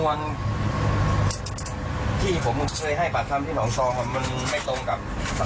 อ่าครับ